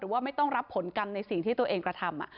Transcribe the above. ว่าไม่ต้องรับผลกรรมในสิ่งที่ตัวเองกระทำ